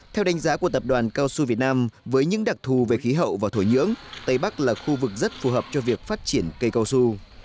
theo đánh giá của tập đoàn cao su việt nam với những đặc thù về khí hậu và thổi nhưỡng tây bắc là khu vực rất phù hợp cho việc phát triển cây cao su